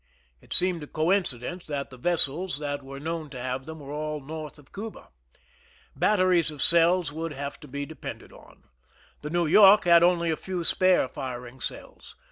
It seemed a coinci dence that the vessels that were known to have them were all north of Cuba. Batteries of cells would have to be depended on. The New York had only a few spare firing cells.